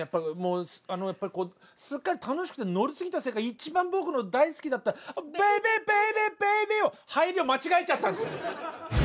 やっぱりすっかり楽しくて乗りすぎたせいか一番僕の大好きだった「ＢａｂｙＢａｂｙＢａｂｙ」を入りを間違えちゃったんですよ。